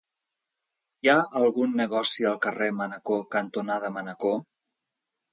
Hi ha algun negoci al carrer Manacor cantonada Manacor?